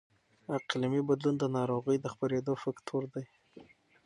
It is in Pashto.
اقلیمي بدلون د ناروغۍ د خپرېدو فکتور دی.